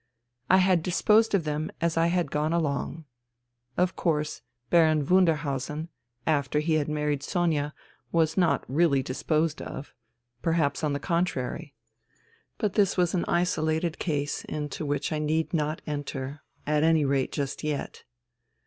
I had disposed of them as I had gone along. Of course. Baron Wunderhausen, after he had married Sonia, was not really disposed of, perhaps on the contrary. But this was an isolated case into which I need not enter, at any rate just yet.